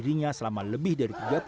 dan juga olimpiade